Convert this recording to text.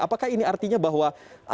apakah ini artinya bahwa